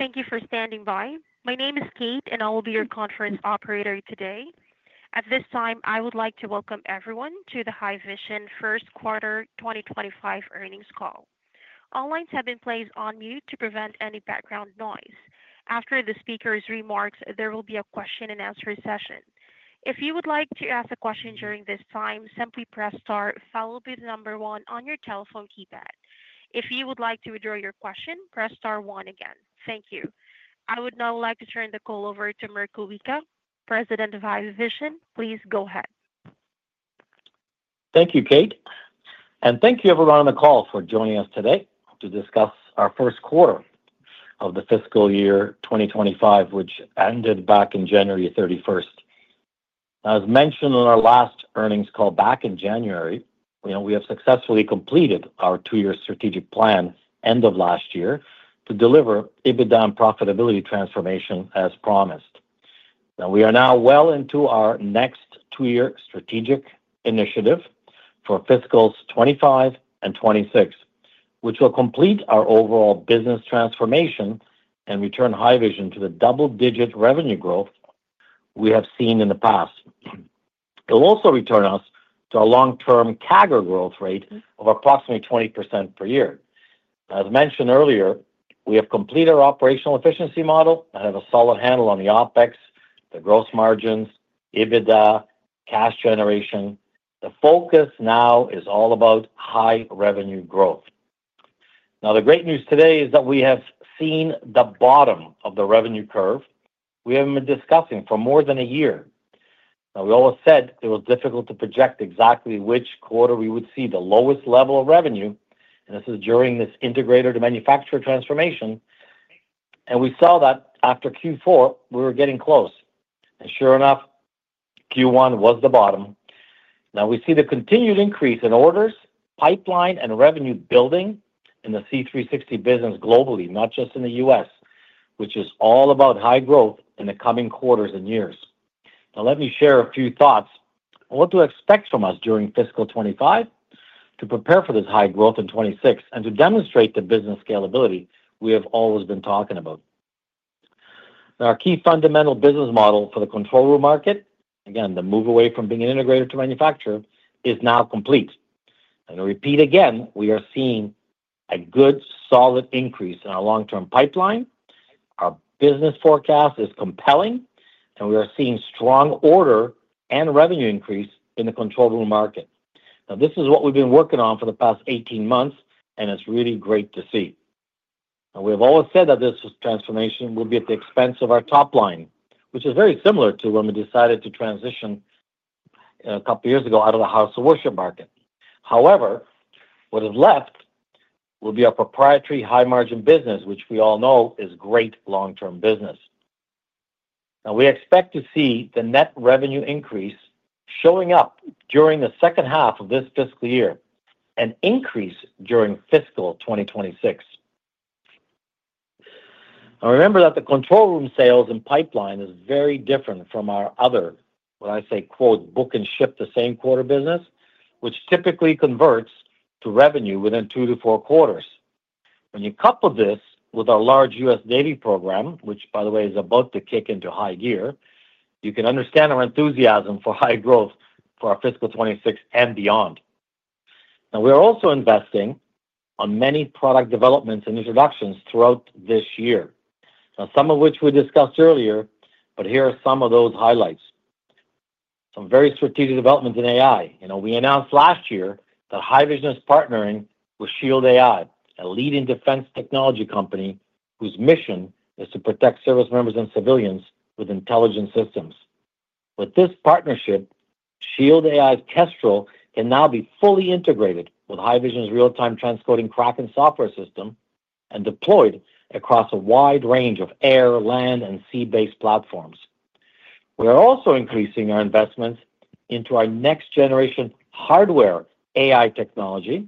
Thank you for standing by. My name is Kate, and I will be your conference operator today. At this time, I would like to welcome everyone to the Haivision First Quarter 2025 Earnings Call. All lines have been placed on mute to prevent any background noise. After the speaker's remarks, there will be a question-and-answer session. If you would like to ask a question during this time, simply press star, followed by the number one on your telephone keypad. If you would like to withdraw your question, press star one again. Thank you. I would now like to turn the call over to Mirko Wicha, President of Haivision. Please go ahead. Thank you, Kate. Thank you, everyone on the call, for joining us today to discuss our first quarter of the fiscal year 2025, which ended back on January 31st. As mentioned in our last earnings call back in January, we have successfully completed our two-year strategic plan end of last year to deliver EBITDA and profitability transformation as promised. Now, we are well into our next two-year strategic initiative for fiscals 2025 and 2026, which will complete our overall business transformation and return Haivision to the double-digit revenue growth we have seen in the past. It will also return us to our long-term CAGR growth rate of approximately 20% per year. As mentioned earlier, we have completed our operational efficiency model and have a solid handle on the OpEx, the gross margins, EBITDA, cash generation. The focus now is all about high revenue growth. Now, the great news today is that we have seen the bottom of the revenue curve we have been discussing for more than a year. We always said it was difficult to project exactly which quarter we would see the lowest level of revenue, and this is during this integrator-to-manufacturer transformation. We saw that after Q4, we were getting close. Sure enough, Q1 was the bottom. Now, we see the continued increase in orders, pipeline, and revenue building in the C360 business globally, not just in the U.S., which is all about high growth in the coming quarters and years. Let me share a few thoughts on what to expect from us during fiscal 2025 to prepare for this high growth in 2026 and to demonstrate the business scalability we have always been talking about. Our key fundamental business model for the control room market, again, the move away from being an integrator-to-manufacturer, is now complete. I'll repeat again, we are seeing a good solid increase in our long-term pipeline. Our business forecast is compelling, and we are seeing strong order and revenue increase in the control room market. This is what we've been working on for the past 18 months, and it's really great to see. We have always said that this transformation will be at the expense of our top line, which is very similar to when we decided to transition a couple of years ago out of the house of worship market. However, what is left will be our proprietary high-margin business, which we all know is great long-term business. Now, we expect to see the net revenue increase showing up during the second half of this fiscal year and increase during fiscal 2026. Now, remember that the control room sales and pipeline is very different from our other, when I say, "book and ship the same quarter" business, which typically converts to revenue within two to four quarters. When you couple this with our large U.S. Navy program, which, by the way, is about to kick into high gear, you can understand our enthusiasm for high growth for our fiscal 2026 and beyond. Now, we are also investing on many product developments and introductions throughout this year, some of which we discussed earlier, but here are some of those highlights. Some very strategic developments in AI. We announced last year that Haivision is partnering with Shield AI, a leading defense technology company whose mission is to protect service members and civilians with intelligence systems. With this partnership, Shield AI's Kestrel can now be fully integrated with Haivision's real-time transcoding Kraken software system and deployed across a wide range of air, land, and sea-based platforms. We are also increasing our investments into our next-generation hardware AI technology,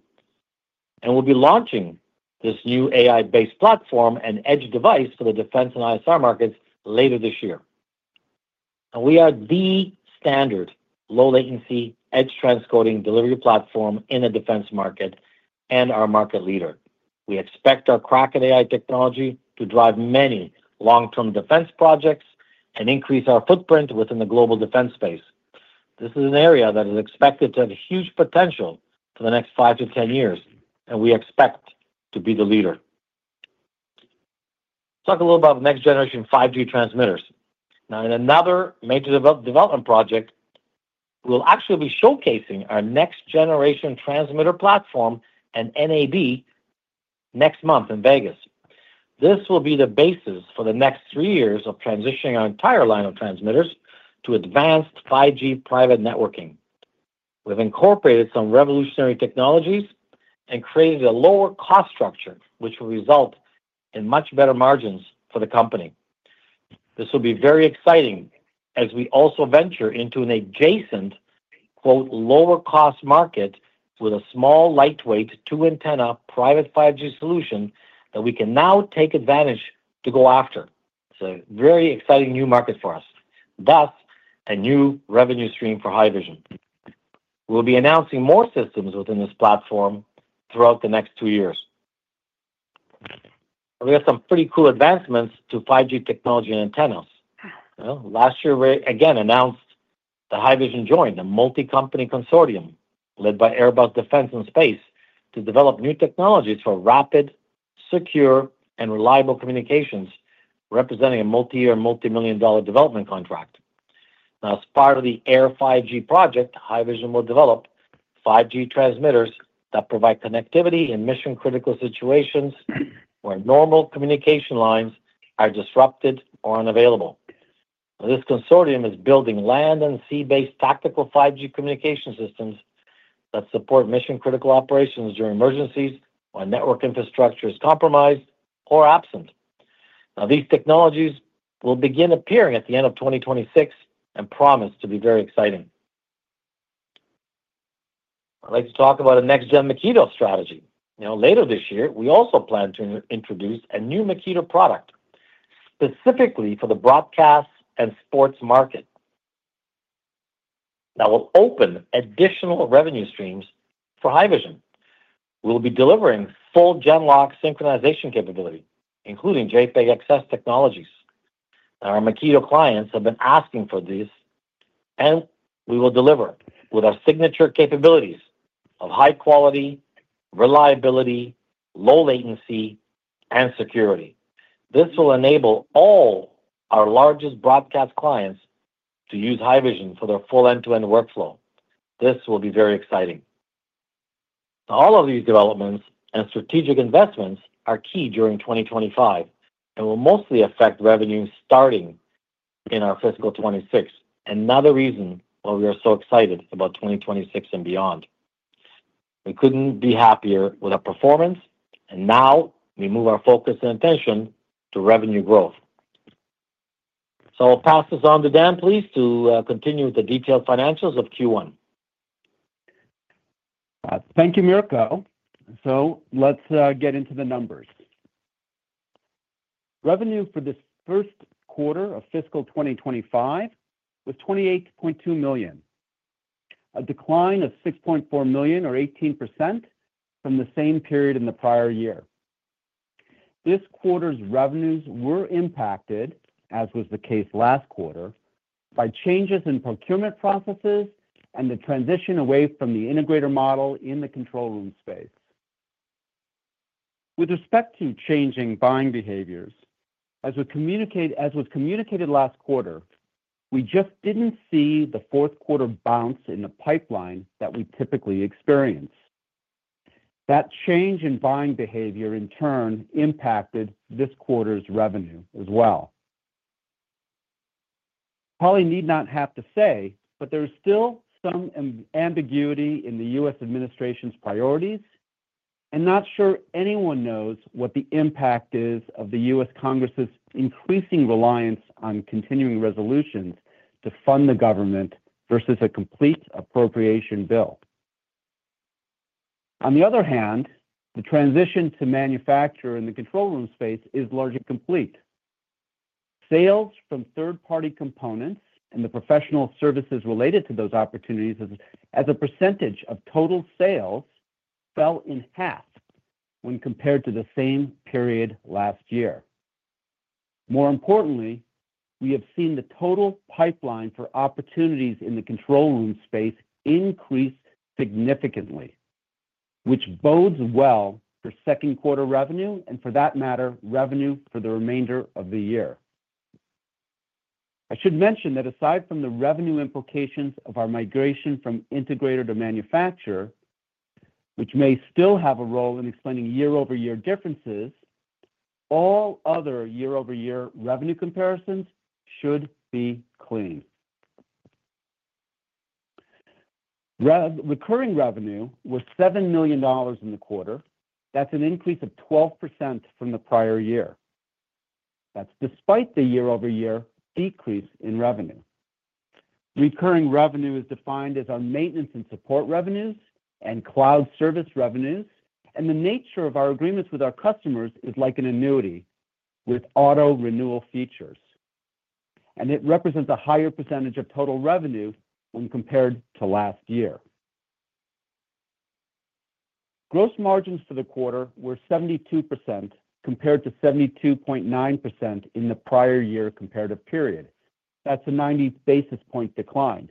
and we'll be launching this new AI-based platform and edge device for the defense and ISR markets later this year. Now, we are the standard low-latency edge transcoding delivery platform in the defense market and our market leader. We expect our Kraken AI technology to drive many long-term defense projects and increase our footprint within the global defense space. This is an area that is expected to have huge potential for the next five to ten years, and we expect to be the leader. Talk a little about next-generation 5G transmitters. Now, in another major development project, we'll actually be showcasing our next-generation transmitter platform at NAB next month in Las Vegas. This will be the basis for the next three years of transitioning our entire line of transmitters to advanced 5G private networking. We have incorporated some revolutionary technologies and created a lower-cost structure, which will result in much better margins for the company. This will be very exciting as we also venture into an adjacent lower-cost market with a small, lightweight two-antenna private 5G solution that we can now take advantage to go after. It's a very exciting new market for us, thus a new revenue stream for Haivision. We'll be announcing more systems within this platform throughout the next two years. We have some pretty cool advancements to 5G technology and antennas. Last year, we again announced the Haivision joined, a multi-company consortium led by Airbus Defence and Space, to develop new technologies for rapid, secure, and reliable communications, representing a multi-year, multi-million dollar development contract. Now, as part of the Air!5G project, Haivision will develop 5G transmitters that provide connectivity in mission-critical situations where normal communication lines are disrupted or unavailable. This consortium is building land and sea-based tactical 5G communication systems that support mission-critical operations during emergencies when network infrastructure is compromised or absent. Now, these technologies will begin appearing at the end of 2026 and promise to be very exciting. I'd like to talk about a next-gen Makito strategy. Now, later this year, we also plan to introduce a new Makito product specifically for the broadcast and sports market that will open additional revenue streams for Haivision. We'll be delivering full Genlock synchronization capability, including JPEG-XS technologies. Now, our Makito clients have been asking for these, and we will deliver with our signature capabilities of high quality, reliability, low latency, and security. This will enable all our largest broadcast clients to use Haivision for their full end-to-end workflow. This will be very exciting. Now, all of these developments and strategic investments are key during 2025 and will mostly affect revenue starting in our fiscal 2026, another reason why we are so excited about 2026 and beyond. We couldn't be happier with our performance, and now we move our focus and attention to revenue growth. I'll pass this on to Dan, please, to continue with the detailed financials of Q1. Thank you, Mirko. Let's get into the numbers. Revenue for this first quarter of fiscal 2025 was $28.2 million, a decline of $6.4 million, or 18%, from the same period in the prior year. This quarter's revenues were impacted, as was the case last quarter, by changes in procurement processes and the transition away from the integrator model in the control room space. With respect to changing buying behaviors, as was communicated last quarter, we just didn't see the fourth quarter bounce in the pipeline that we typically experience. That change in buying behavior, in turn, impacted this quarter's revenue as well. Probably need not have to say, but there is still some ambiguity in the U.S. administration's priorities, and not sure anyone knows what the impact is of the U.S. Congress's increasing reliance on continuing resolutions to fund the government versus a complete appropriation bill. On the other hand, the transition to manufacture in the control room space is largely complete. Sales from third-party components and the professional services related to those opportunities, as a percentage of total sales, fell in half when compared to the same period last year. More importantly, we have seen the total pipeline for opportunities in the control room space increase significantly, which bodes well for second quarter revenue and, for that matter, revenue for the remainder of the year. I should mention that aside from the revenue implications of our migration from integrator to manufacturer, which may still have a role in explaining year-over-year differences, all other year-over-year revenue comparisons should be clean. Recurring revenue was $7 million in the quarter. That's an increase of 12% from the prior year. That's despite the year-over-year decrease in revenue. Recurring revenue is defined as our maintenance and support revenues and cloud service revenues, and the nature of our agreements with our customers is like an annuity with auto-renewal features. It represents a higher percentage of total revenue when compared to last year. Gross margins for the quarter were 72% compared to 72.9% in the prior year comparative period. That is a 90 basis point decline.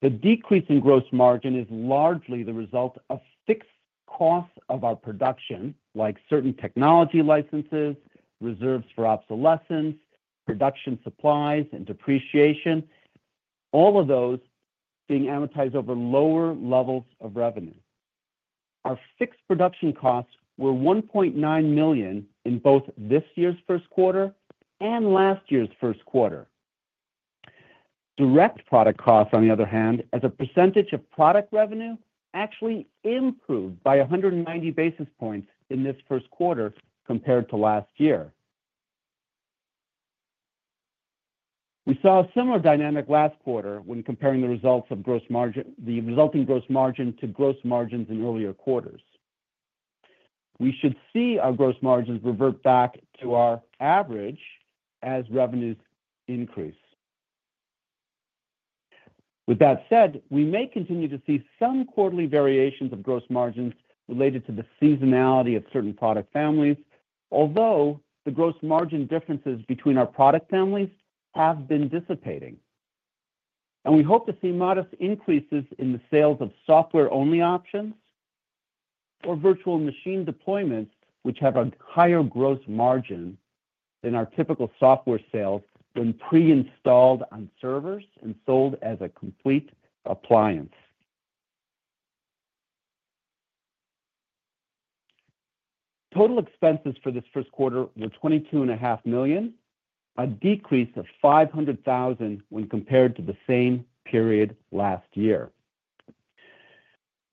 The decrease in gross margin is largely the result of fixed costs of our production, like certain technology licenses, reserves for obsolescence, production supplies, and depreciation, all of those being amortized over lower levels of revenue. Our fixed production costs were $1.9 million in both this year's first quarter and last year's first quarter. Direct product costs, on the other hand, as a percentage of product revenue, actually improved by 190 basis points in this first quarter compared to last year. We saw a similar dynamic last quarter when comparing the results of the resulting gross margin to gross margins in earlier quarters. We should see our gross margins revert back to our average as revenues increase. With that said, we may continue to see some quarterly variations of gross margins related to the seasonality of certain product families, although the gross margin differences between our product families have been dissipating. We hope to see modest increases in the sales of software-only options or virtual machine deployments, which have a higher gross margin than our typical software sales when pre-installed on servers and sold as a complete appliance. Total expenses for this first quarter were $22.5 million, a decrease of $500,000 when compared to the same period last year.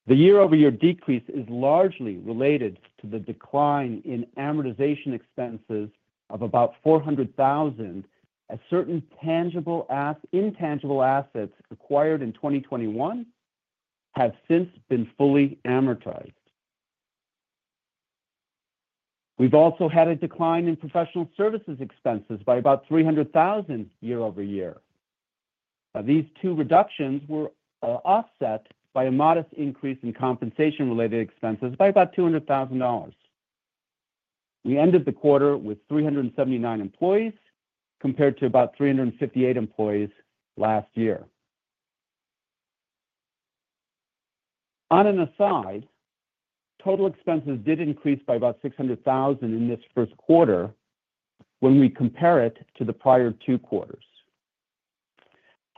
The year-over-year decrease is largely related to the decline in amortization expenses of about $400,000 as certain intangible assets acquired in 2021 have since been fully amortized. We've also had a decline in professional services expenses by about $300,000 year-over-year. Now, these two reductions were offset by a modest increase in compensation-related expenses by about $200,000. We ended the quarter with 379 employees compared to about 358 employees last year. On an aside, total expenses did increase by about $600,000 in this first quarter when we compare it to the prior two quarters.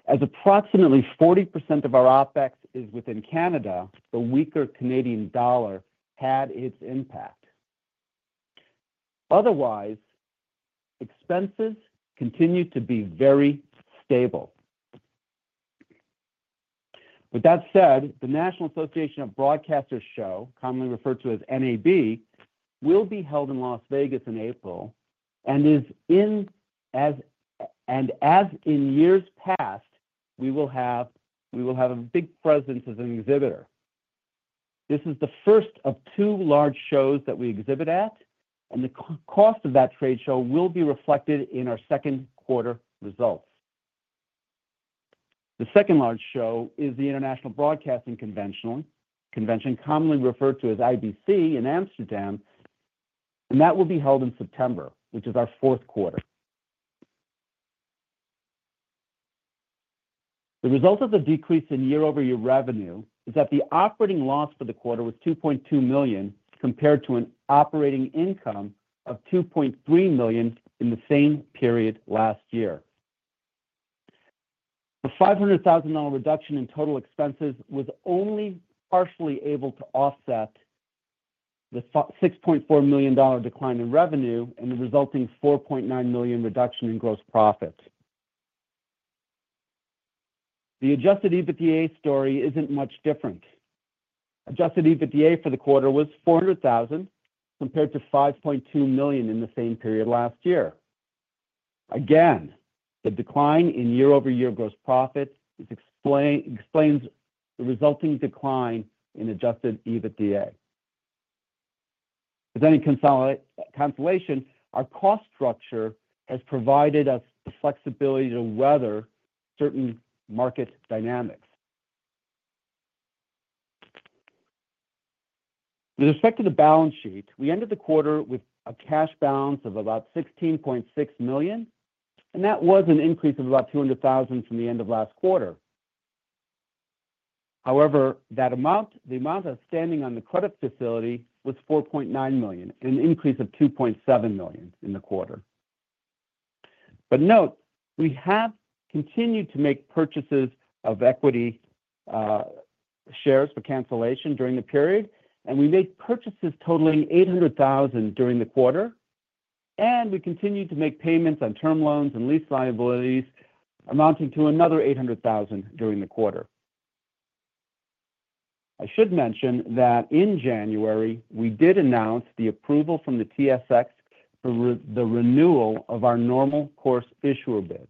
As approximately 40% of our OpEx is within Canada, the weaker Canadian dollar had its impact. Otherwise, expenses continue to be very stable. With that said, the National Association of Broadcasters Show, commonly referred to as NAB, will be held in Las Vegas in April and, as in years past, we will have a big presence as an exhibitor. This is the first of two large shows that we exhibit at, and the cost of that trade show will be reflected in our second quarter results. The second large show is the International Broadcasting Convention, commonly referred to as IBC, in Amsterdam, and that will be held in September, which is our fourth quarter. The result of the decrease in year-over-year revenue is that the operating loss for the quarter was $2.2 million compared to an operating income of $2.3 million in the same period last year. The $500,000 reduction in total expenses was only partially able to offset the $6.4 million decline in revenue and the resulting $4.9 million reduction in gross profits. The Adjusted EBITDA story is not much different. Adjusted EBITDA for the quarter was $400,000 compared to $5.2 million in the same period last year. Again, the decline in year-over-year gross profit explains the resulting decline in Adjusted EBITDA. If any consolation, our cost structure has provided us the flexibility to weather certain market dynamics. With respect to the balance sheet, we ended the quarter with a cash balance of about $16.6 million, and that was an increase of about $200,000 from the end of last quarter. However, the amount outstanding on the credit facility was $4.9 million, an increase of $2.7 million in the quarter. Note, we have continued to make purchases of equity shares for cancellation during the period, and we made purchases totaling 800,000 during the quarter, and we continued to make payments on term loans and lease liabilities amounting to another 800,000 during the quarter. I should mention that in January, we did announce the approval from the TSX for the renewal of our normal course issuer bid.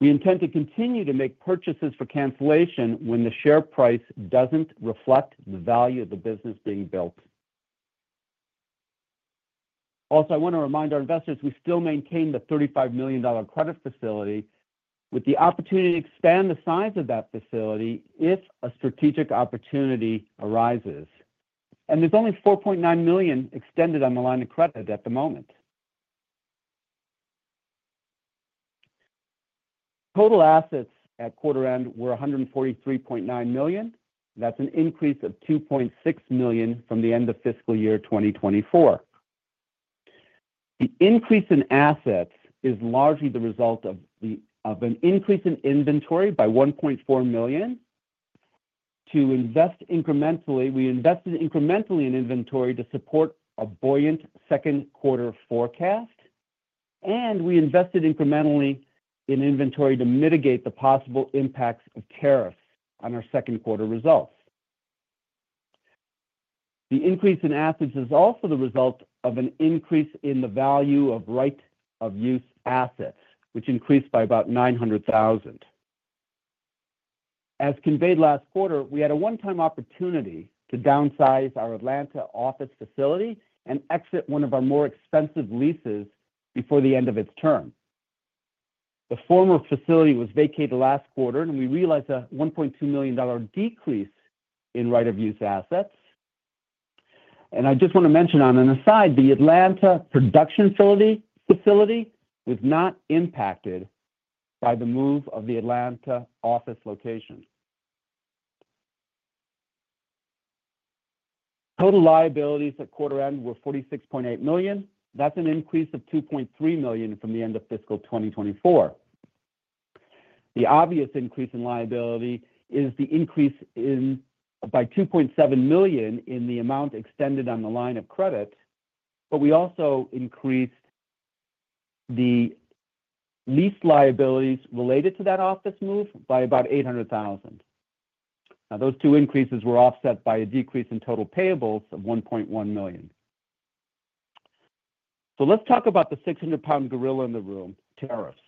We intend to continue to make purchases for cancellation when the share price does not reflect the value of the business being built. Also, I want to remind our investors we still maintain the $35 million credit facility with the opportunity to expand the size of that facility if a strategic opportunity arises. There is only $4.9 million extended on the line of credit at the moment. Total assets at quarter end were $143.9 million. That's an increase of $2.6 million from the end of fiscal year 2024. The increase in assets is largely the result of an increase in inventory by $1.4 million. To invest incrementally, we invested incrementally in inventory to support a buoyant second quarter forecast, and we invested incrementally in inventory to mitigate the possible impacts of tariffs on our second quarter results. The increase in assets is also the result of an increase in the value of right-of-use assets, which increased by about $900,000. As conveyed last quarter, we had a one-time opportunity to downsize our Atlanta office facility and exit one of our more expensive leases before the end of its term. The former facility was vacated last quarter, and we realized a $1.2 million decrease in right-of-use assets. I just want to mention, on an aside, the Atlanta production facility was not impacted by the move of the Atlanta office location. Total liabilities at quarter end were $46.8 million. That is an increase of $2.3 million from the end of fiscal 2024. The obvious increase in liability is the increase by $2.7 million in the amount extended on the line of credit, but we also increased the lease liabilities related to that office move by about $800,000. Now, those two increases were offset by a decrease in total payables of $1.1 million. Let's talk about the 600 lbs gorilla in the room: tariffs.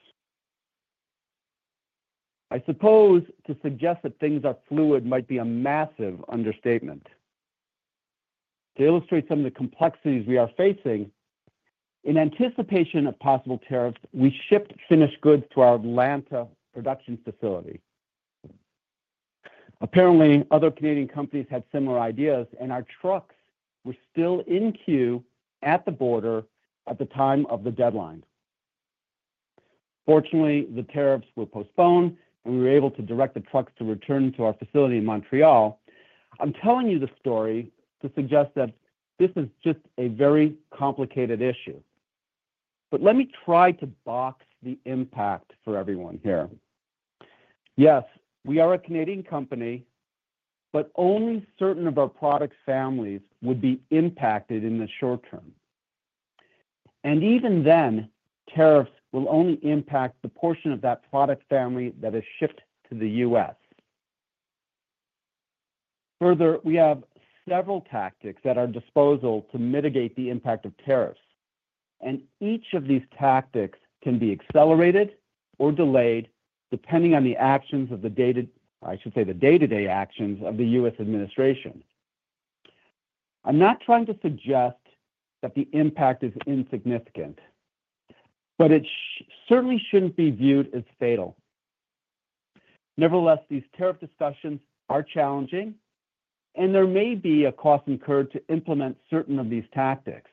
I suppose to suggest that things are fluid might be a massive understatement. To illustrate some of the complexities we are facing, in anticipation of possible tariffs, we shipped finished goods to our Atlanta production facility. Apparently, other Canadian companies had similar ideas, and our trucks were still in queue at the border at the time of the deadline. Fortunately, the tariffs were postponed, and we were able to direct the trucks to return to our facility in Montreal. I'm telling you the story to suggest that this is just a very complicated issue. Let me try to box the impact for everyone here. Yes, we are a Canadian company, but only certain of our product families would be impacted in the short term. Even then, tariffs will only impact the portion of that product family that is shipped to the U.S. Further, we have several tactics at our disposal to mitigate the impact of tariffs. Each of these tactics can be accelerated or delayed depending on the actions of the, I should say, the day-to-day actions of the U.S. administration. I'm not trying to suggest that the impact is insignificant, but it certainly shouldn't be viewed as fatal. Nevertheless, these tariff discussions are challenging, and there may be a cost incurred to implement certain of these tactics.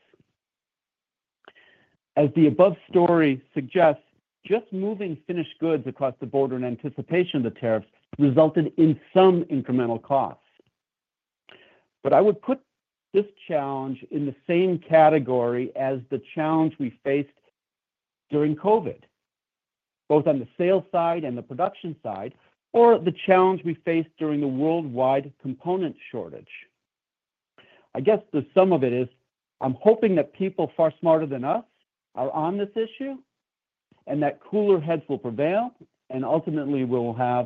As the above story suggests, just moving finished goods across the border in anticipation of the tariffs resulted in some incremental costs. I would put this challenge in the same category as the challenge we faced during COVID, both on the sales side and the production side, or the challenge we faced during the worldwide component shortage. I guess the sum of it is I'm hoping that people far smarter than us are on this issue and that cooler heads will prevail, and ultimately, we'll have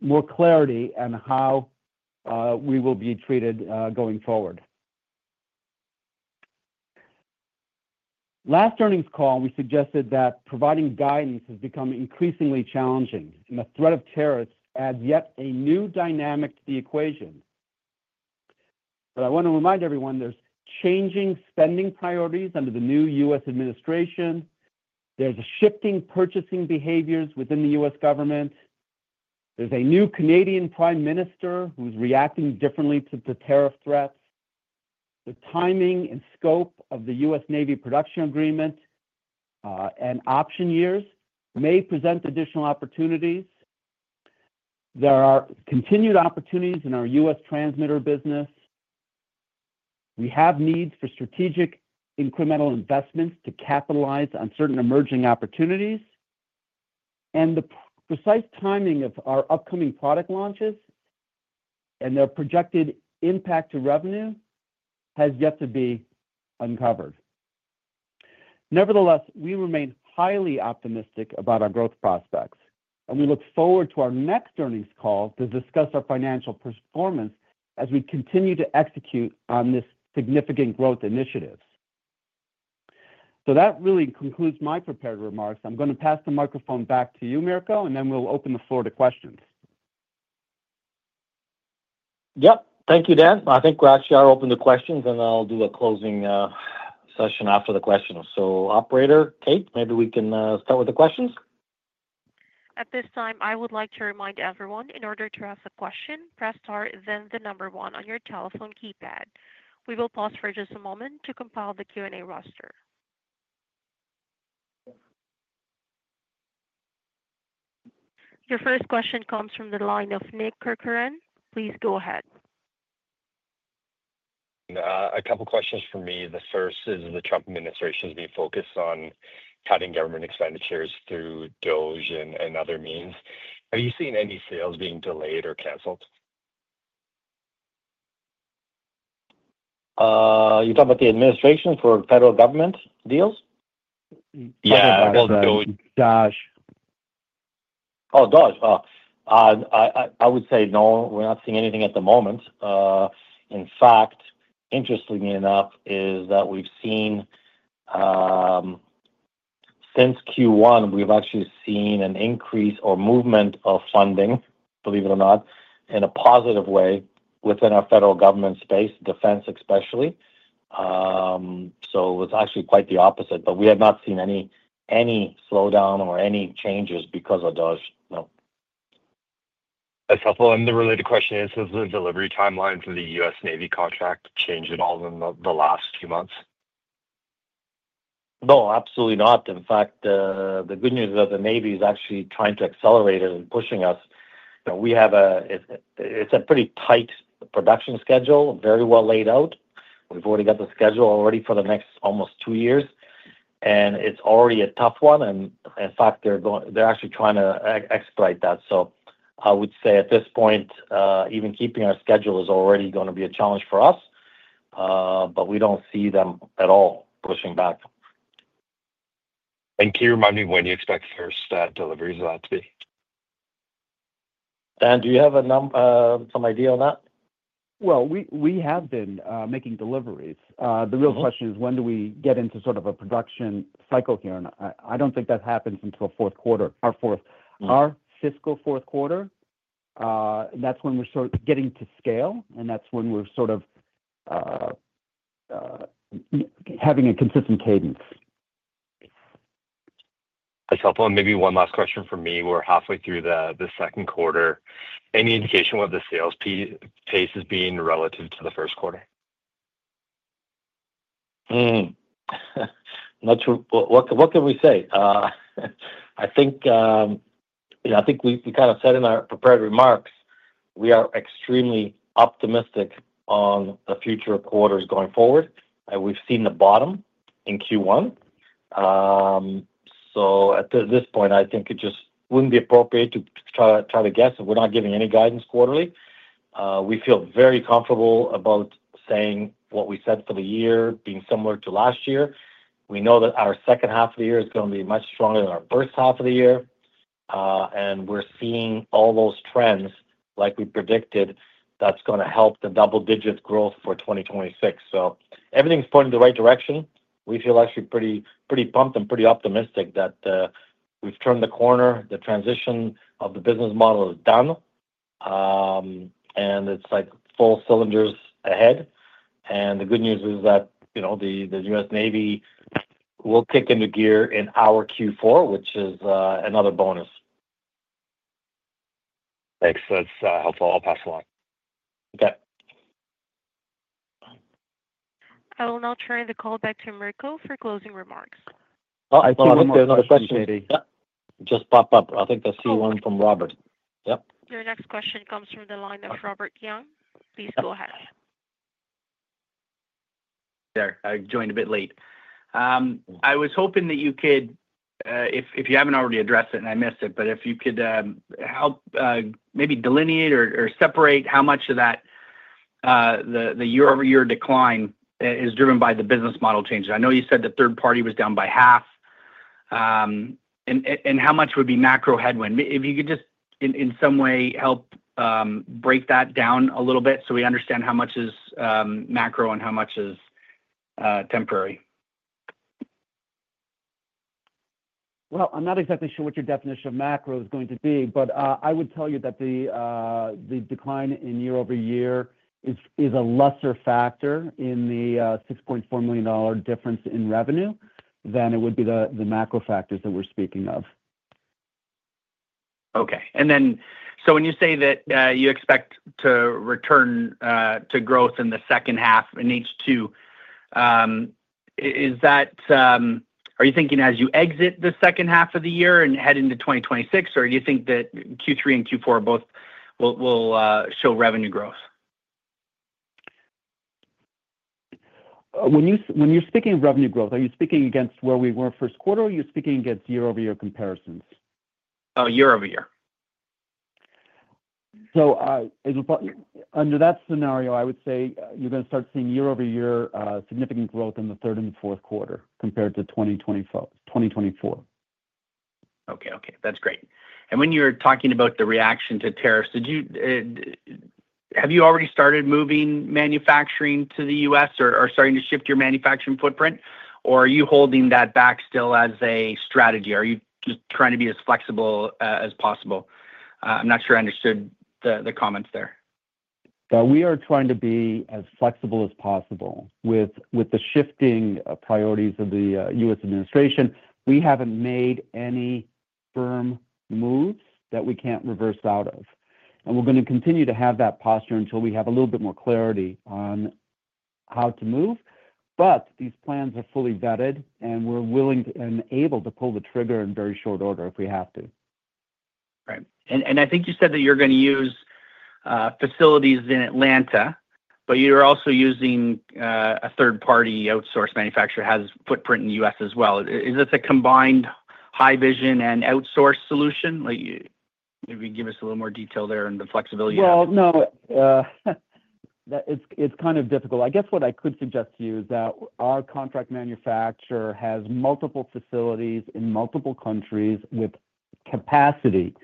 more clarity on how we will be treated going forward. Last earnings call, we suggested that providing guidance has become increasingly challenging, and the threat of tariffs adds yet a new dynamic to the equation. I want to remind everyone there's changing spending priorities under the new U.S. administration. There's shifting purchasing behaviors within the U.S. government. There's a new Canadian Prime Minister who's reacting differently to the tariff threats. The timing and scope of the U.S. Navy production agreement and option years may present additional opportunities. There are continued opportunities in our U.S. transmitter business. We have needs for strategic incremental investments to capitalize on certain emerging opportunities. The precise timing of our upcoming product launches and their projected impact to revenue has yet to be uncovered. Nevertheless, we remain highly optimistic about our growth prospects, and we look forward to our next earnings call to discuss our financial performance as we continue to execute on this significant growth initiative. That really concludes my prepared remarks. I'm going to pass the microphone back to you, Mirko, and then we'll open the floor to questions. Yep. Thank you, Dan. I think we actually are open to questions, and I'll do a closing session after the questions. Operator Kate, maybe we can start with the questions. At this time, I would like to remind everyone in order to ask a question, press star, then the number one on your telephone keypad. We will pause for just a moment to compile the Q&A roster. Your first question comes from the line of Nick Corcoran. Please go ahead. A couple of questions for me. The first is the Trump administration has been focused on cutting government expenditures through DoD and other means. Have you seen any sales being delayed or canceled? You're talking about the administration for federal government deals? Yeah. DoD. Oh, DoD. I would say no. We're not seeing anything at the moment. In fact, interestingly enough, is that we've seen since Q1, we've actually seen an increase or movement of funding, believe it or not, in a positive way within our federal government space, defense especially. It was actually quite the opposite, but we have not seen any slowdown or any changes because of DoD. No. I suppose the related question is, has the delivery timeline for the U.S. Navy contract changed at all in the last few months? No, absolutely not. In fact, the good news is that the U.S. Navy is actually trying to accelerate it and pushing us. We have a pretty tight production schedule, very well laid out. We've already got the schedule already for the next almost two years, and it's already a tough one. In fact, they're actually trying to expedite that. I would say at this point, even keeping our schedule is already going to be a challenge for us, but we don't see them at all pushing back. Can you remind me when you expect first deliveries of that to be? Dan, do you have some idea on that? We have been making deliveries. The real question is when do we get into sort of a production cycle here, and I don't think that happens until our fourth quarter. Our fiscal fourth quarter, that's when we're getting to scale, and that's when we're sort of having a consistent cadence. I suppose maybe one last question for me. We're halfway through the second quarter. Any indication what the sales pace is being relative to the first quarter? What can we say? I think we kind of said in our prepared remarks, we are extremely optimistic on the future quarters going forward. We've seen the bottom in Q1. At this point, I think it just wouldn't be appropriate to try to guess if we're not giving any guidance quarterly. We feel very comfortable about saying what we said for the year being similar to last year. We know that our second half of the year is going to be much stronger than our first half of the year, and we're seeing all those trends like we predicted that's going to help the double-digit growth for 2026. Everything's pointing in the right direction. We feel actually pretty pumped and pretty optimistic that we've turned the corner. The transition of the business model is done, and it's like full cylinders ahead. The good news is that the U.S. Navy will kick into gear in our Q4, which is another bonus. Thanks. That's helpful. I'll pass along. Okay. I will now turn the call back to Mirko for closing remarks. Oh, I thought there was another question just popped up. I think I see one from Robert. Yep. Your next question comes from the line of Robert Young. Please go ahead. There. I joined a bit late. I was hoping that you could, if you haven't already addressed it and I missed it, but if you could help maybe delineate or separate how much of that, the year-over-year decline, is driven by the business model changes. I know you said the third party was down by half. And how much would be macro headwind? If you could just in some way help break that down a little bit so we understand how much is macro and how much is temporary. I am not exactly sure what your definition of macro is going to be, but I would tell you that the decline in year-over-year is a lesser factor in the $6.4 million difference in revenue than it would be the macro factors that we're speaking of. Okay. When you say that you expect to return to growth in the second half in H2, are you thinking as you exit the second half of the year and head into 2026, or do you think that Q3 and Q4 both will show revenue growth? When you're speaking of revenue growth, are you speaking against where we were first quarter, or are you speaking against year-over-year comparisons? Oh, year-over-year. Under that scenario, I would say you're going to start seeing year-over-year significant growth in the third and the fourth quarter compared to 2024. Okay. That's great. When you were talking about the reaction to tariffs, have you already started moving manufacturing to the U.S. or starting to shift your manufacturing footprint, or are you holding that back still as a strategy? Are you just trying to be as flexible as possible? I'm not sure I understood the comments there. We are trying to be as flexible as possible. With the shifting priorities of the U.S. administration, we haven't made any firm moves that we can't reverse out of. We are going to continue to have that posture until we have a little bit more clarity on how to move. These plans are fully vetted, and we're willing and able to pull the trigger in very short order if we have to. Right. I think you said that you're going to use facilities in Atlanta, but you're also using a third-party outsourced manufacturer that has a footprint in the U.S. as well. Is this a combined Haivision and outsource solution? Maybe give us a little more detail there and the flexibility of that. No. It's kind of difficult. I guess what I could suggest to you is that our contract manufacturer has multiple facilities in multiple countries with capacity.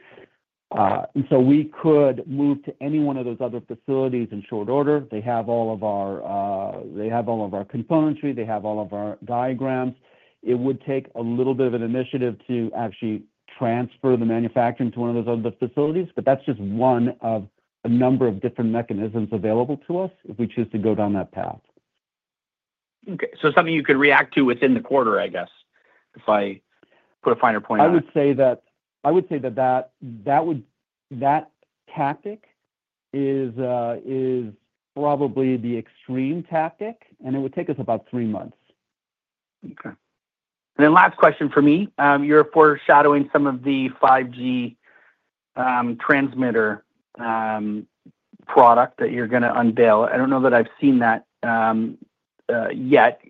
We could move to any one of those other facilities in short order. They have all of our componentry. They have all of our diagrams. It would take a little bit of an initiative to actually transfer the manufacturing to one of those other facilities, but that is just one of a number of different mechanisms available to us if we choose to go down that path. Okay. Something you could react to within the quarter, I guess, if I put a finer point on it. I would say that that tactic is probably the extreme tactic, and it would take us about three months. Okay. Last question for me. You're foreshadowing some of the 5G transmitter product that you're going to unveil. I don't know that I've seen that yet.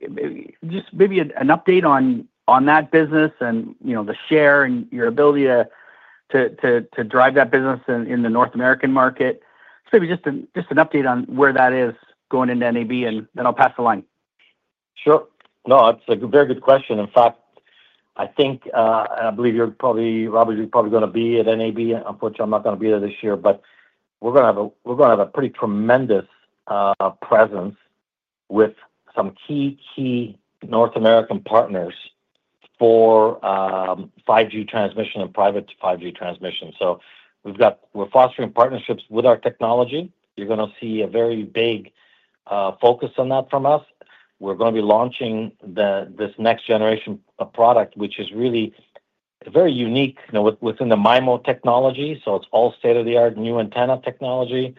Just maybe an update on that business and the share and your ability to drive that business in the North American market. Just maybe just an update on where that is going into NAB, and then I'll pass the line. Sure. No, that's a very good question. In fact, I think, and I believe you're probably—Robert, you're probably going to be at NAB. Unfortunately, I'm not going to be there this year, but we're going to have a pretty tremendous presence with some key, key North American partners for 5G transmission and private 5G transmission. We are fostering partnerships with our technology. You're going to see a very big focus on that from us. We're going to be launching this next generation of product, which is really very unique within the MIMO technology. It is all state-of-the-art new antenna technology.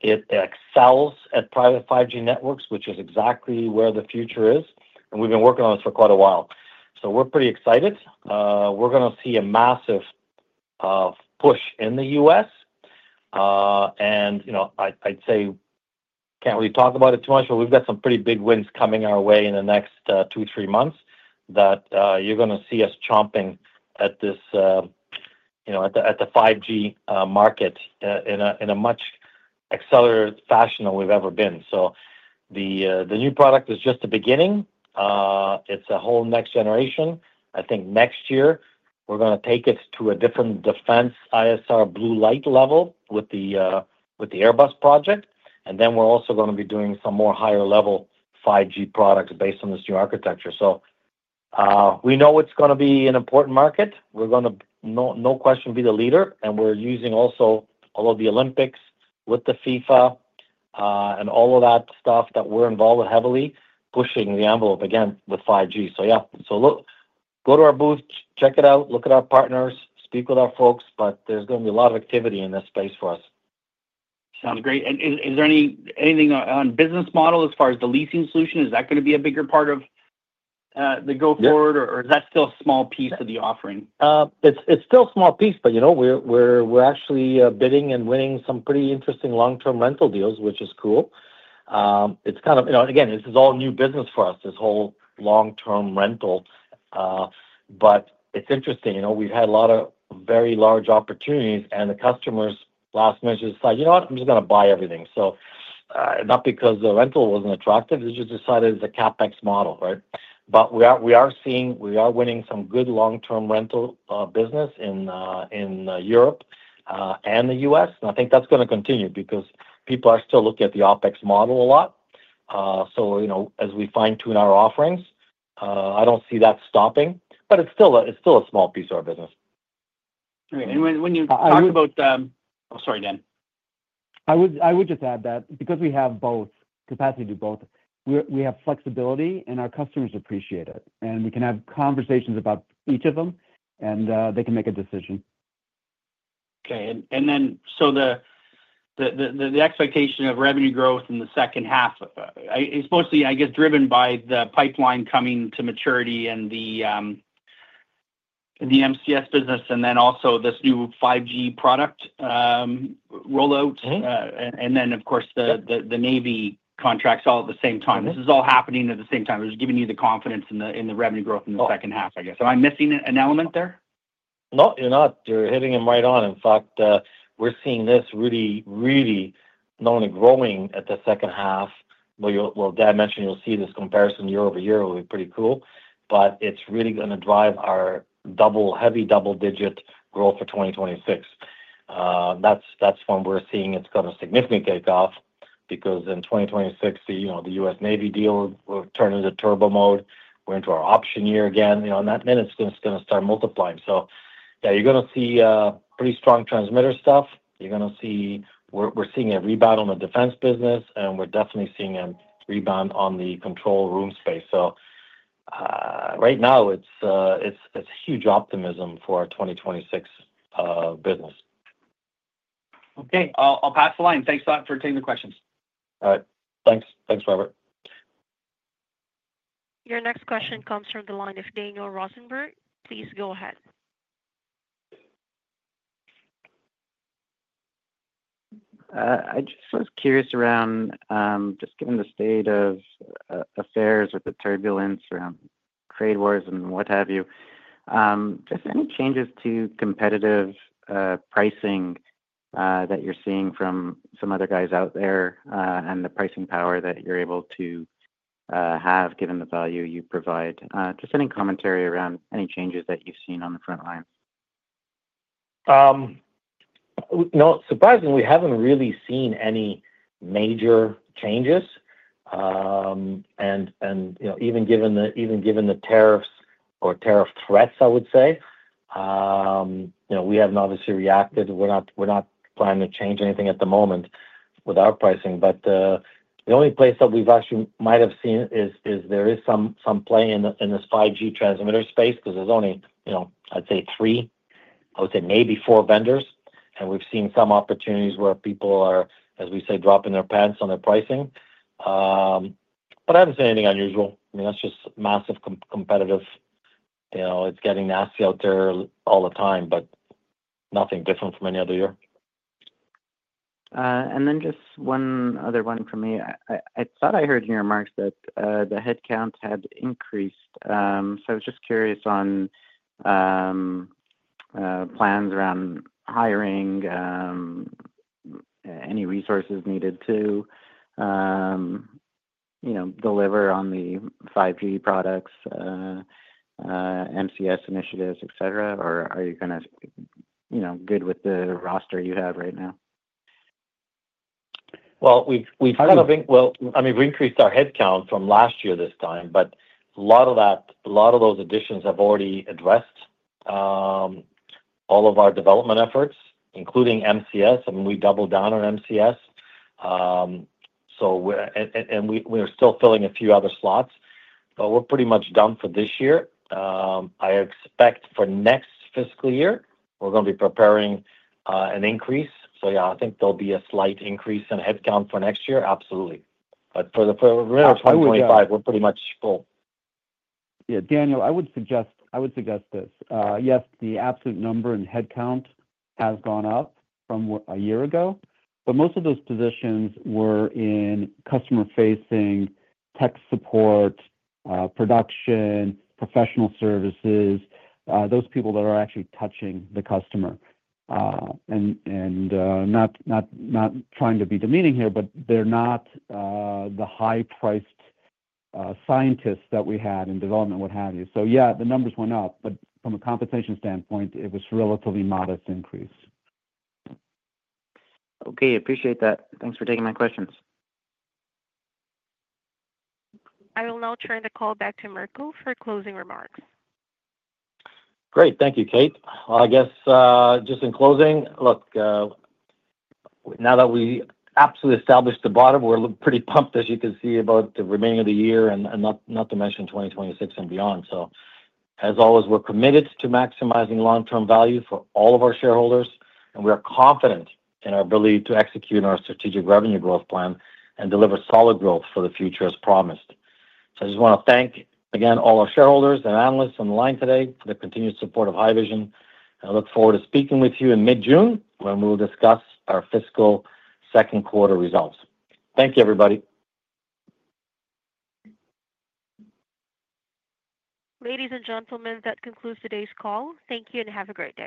It excels at private 5G networks, which is exactly where the future is. We have been working on this for quite a while. We are pretty excited. We are going to see a massive push in the U.S. I would say I cannot really talk about it too much, but we have got some pretty big wins coming our way in the next two to three months that you are going to see us chomping at the 5G market in a much accelerated fashion than we have ever been. The new product is just the beginning. It is a whole next generation. I think next year, we are going to take it to a different defense ISR blue light level with the Airbus project. We're also going to be doing some more higher-level 5G products based on this new architecture. We know it's going to be an important market. We're going to, no question, be the leader. We're using also all of the Olympics with the FIFA and all of that stuff that we're involved with heavily, pushing the envelope again with 5G. Go to our booth, check it out, look at our partners, speak with our folks, but there's going to be a lot of activity in this space for us. Sounds great. Is there anything on business model as far as the leasing solution? Is that going to be a bigger part of the go-forward, or is that still a small piece of the offering? It's still a small piece, but we're actually bidding and winning some pretty interesting long-term rental deals, which is cool. It's kind of, again, this is all new business for us, this whole long-term rental. It's interesting. We've had a lot of very large opportunities, and the customers' last message is like, "You know what? I'm just going to buy everything." Not because the rental wasn't attractive. They just decided it's a CapEx model, right? We are seeing we are winning some good long-term rental business in Europe and the U.S. I think that's going to continue because people are still looking at the OpEx model a lot. As we fine-tune our offerings, I don't see that stopping, but it's still a small piece of our business. Right. When you talked about—I'm sorry, Dan. I would just add that because we have both capacity to do both, we have flexibility, and our customers appreciate it. We can have conversations about each of them, and they can make a decision. Okay. The expectation of revenue growth in the second half is mostly, I guess, driven by the pipeline coming to maturity and the MCS business, and also this new 5G product rollout. Of course, the Navy contracts all at the same time. This is all happening at the same time. It was giving you the confidence in the revenue growth in the second half, I guess. Am I missing an element there? No, you're not. You're hitting them right on. In fact, we're seeing this really, really growing at the second half. Dan mentioned you'll see this comparison year-over-year will be pretty cool, but it's really going to drive our heavy double-digit growth for 2026. That's when we're seeing it's got a significant kickoff because in 2026, the U.S. Navy deal will turn into turbo mode. We're into our option year again. It's going to start multiplying. You're going to see pretty strong transmitter stuff. We're seeing a rebound on the defense business, and we're definitely seeing a rebound on the control room space. Right now, it's huge optimism for our 2026 business. Okay. I'll pass the line. Thanks a lot for taking the questions. All right. Thanks. Thanks, Robert. Your next question comes from the line of Daniel Rosenberg. Please go ahead. I just was curious around just given the state of affairs with the turbulence around trade wars and what have you, just any changes to competitive pricing that you're seeing from some other guys out there and the pricing power that you're able to have given the value you provide. Just any commentary around any changes that you've seen on the front line? Not surprisingly, we haven't really seen any major changes. Even given the tariffs or tariff threats, I would say, we haven't obviously reacted. We're not planning to change anything at the moment with our pricing. The only place that we actually might have seen is there is some play in this 5G transmitter space because there's only, I'd say, three, I would say, maybe four vendors. We've seen some opportunities where people are, as we say, dropping their pants on their pricing. I haven't seen anything unusual. I mean, that's just massive competitive. It's getting nasty out there all the time, but nothing different from any other year. Just one other one for me. I thought I heard in your remarks that the headcount had increased. I was just curious on plans around hiring, any resources needed to deliver on the 5G products, MCS initiatives, etc., or are you kind of good with the roster you have right now? We've kind of—I mean, we've increased our headcount from last year this time, but a lot of that, a lot of those additions have already addressed all of our development efforts, including MCS. I mean, we doubled down on MCS. We're still filling a few other slots, but we're pretty much done for this year. I expect for next fiscal year, we're going to be preparing an increase. Yeah, I think there'll be a slight increase in headcount for next year. Absolutely. For the remainder of 2025, we're pretty much full. Yeah. Daniel, I would suggest this. Yes, the absolute number in headcount has gone up from a year ago, but most of those positions were in customer-facing tech support, production, professional services, those people that are actually touching the customer. Not trying to be demeaning here, but they're not the high-priced scientists that we had in development, what have you. Yeah, the numbers went up, but from a compensation standpoint, it was a relatively modest increase. Okay. Appreciate that. Thanks for taking my questions. I will now turn the call back to Mirko for closing remarks. Great. Thank you, Kate. I guess just in closing, look, now that we absolutely established the bottom, we're pretty pumped, as you can see, about the remaining of the year, and not to mention 2026 and beyond. As always, we're committed to maximizing long-term value for all of our shareholders, and we are confident in our ability to execute our strategic revenue growth plan and deliver solid growth for the future as promised. I just want to thank, again, all our shareholders and analysts on the line today for the continued support of Haivision. I look forward to speaking with you in mid-June when we'll discuss our fiscal second quarter results. Thank you, everybody. Ladies and gentlemen, that concludes today's call. Thank you and have a great day.